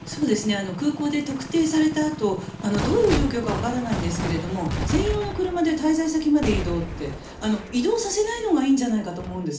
空港で特定されたあとどういう状況かわからないんですが専用の車で滞在先まで移動って移動させないのがいいんじゃないかと思うんです。